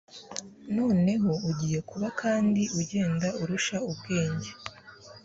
Noneho ugiye kuba kandi ugenda urusha ubwenge